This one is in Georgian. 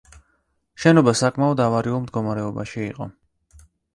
შენობა საკმაოდ ავარიულ მდგომარეობაში იყო.